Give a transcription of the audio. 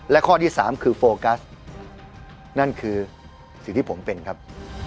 และข้อที่สามคือโฟกัสนั่นคือสิ่งที่ผมเป็นครับ